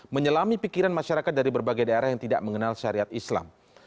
menyelami pikiran masyarakat dari berbagai daerah yang tidak mengenal syariat islam